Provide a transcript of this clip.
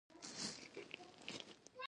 یو سل او دیرشمه پوښتنه د ورکشاپ په اړه ده.